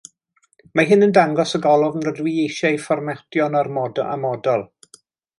Mae hyn yn dangos y golofn rydw i eisiau'i fformatio'n amodol.